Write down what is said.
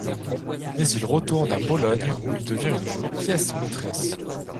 Mais il retourne à Bologne où il devient une pièce maîtresse.